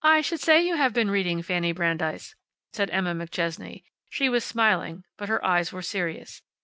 "I should say you have been reading, Fanny Brandeis," said Emma McChesney. She was smiling, but her eyes were serious.